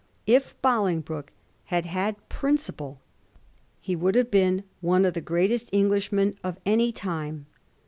If Bolingbroke had had principle he would have been one of the greatest Englishmen of any time.